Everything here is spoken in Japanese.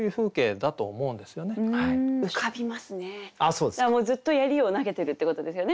だからずっと槍を投げてるっていうことですよね。